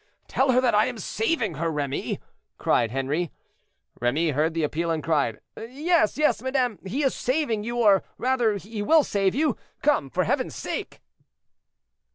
"Tell her that I am saving her, Remy!" cried Henri. Remy heard the appeal, and cried: "Yes, yes, madame, he is saving you, or rather he will save you. Come, for Heaven's sake!"